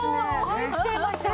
入っちゃいました！